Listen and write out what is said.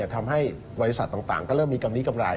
ทำให้บริษัทต่างก็เริ่มมีกำลีกำไร